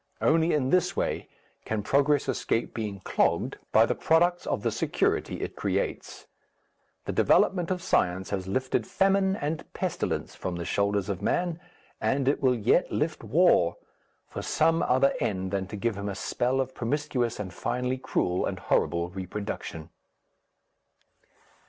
Only in this way can progress escape being clogged by the products of the security it creates. The development of science has lifted famine and pestilence from the shoulders of man, and it will yet lift war for some other end than to give him a spell of promiscuous and finally cruel and horrible reproduction.